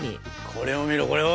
これを見ろこれを。